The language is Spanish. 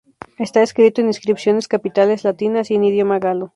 Está escrito en inscripciones capitales latinas y en idioma galo.